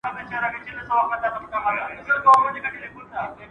که خپلوانو کره لاړ شو نو مینه نه سړیږي.